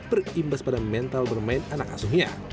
berimbas pada mental bermain anak asuhnya